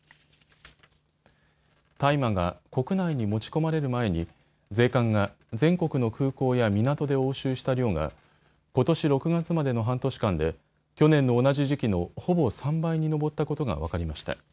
大麻が国内に持ち込まれる前に税関が全国の空港や港で押収した量がことし６月までの半年間で去年の同じ時期のほぼ３倍に上ったことが分かりました。